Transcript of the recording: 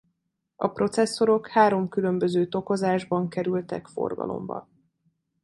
A processzorok három különböző tokozásban kerültek forgalomba.